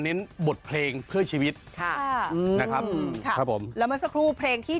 บทเพลงเพื่อชีวิตค่ะอืมนะครับอืมค่ะครับผมแล้วเมื่อสักครู่เพลงที่